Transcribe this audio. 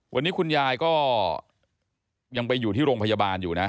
วันนี้คุณยายก็ยังไปอยู่ที่โรงพยาบาลอยู่นะ